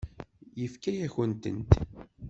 Yefka-yakent-tent.